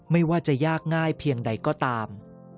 ไม่ว่าจะยากง่ายเพียงใดก็ตาม